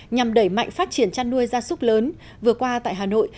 nhằm đẩy mạnh phát triển chăn nuôi da súc lớn vừa qua tại hà nội